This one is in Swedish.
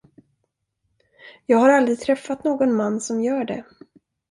Jag har aldrig träffat någon man som gör det.